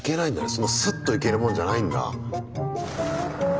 そんなスッと行けるもんじゃないんだ。